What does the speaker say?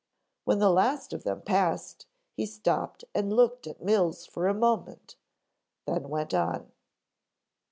"When the last of them passed he stopped and looked at Mills for a moment, then went on."